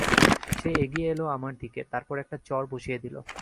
সে এগিয়ে এল আমার দিকে, তারপর একটা চড় বসিয়ে দিল।